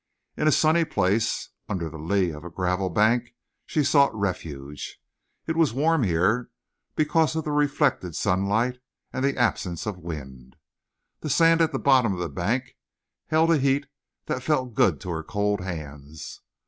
In a sunny place, under the lee of a gravel bank, she sought refuge. It was warm here because of the reflected sunlight and the absence of wind. The sand at the bottom of the bank held a heat that felt good to her cold hands.